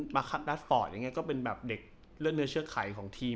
คัดแสฟอร์ตอย่างนี้ก็เป็นแบบเด็กเลือดเนื้อเชื้อไขของทีม